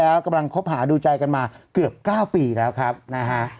แล้วกำลังคบหาดูใจกันมาเกือบ๙ปีแล้วครับนะฮะ